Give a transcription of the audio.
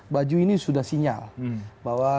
baju ini sudah sinyal bahwa